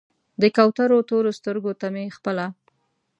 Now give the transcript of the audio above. د کوترو تورو سترګو ته مې خپله